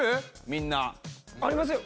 みんな。ありますよ！